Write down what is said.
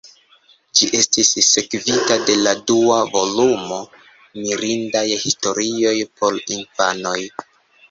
Ĝi estis sekvita de la dua volumo, "Mirindaj historioj por infanoj".